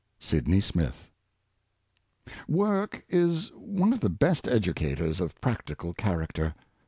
— Sydney Smith. ORK is one of the best educators of practical character.